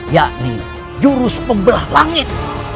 yakni jurus pembelah langit